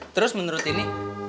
terus menurut ini